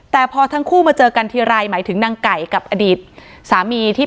แต่พอทั้งคู่มาเจอกันทีไรหมายถึงนางไก่กับอดีตสามีที่